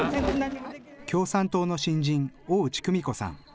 共産党の新人、大内久美子さん。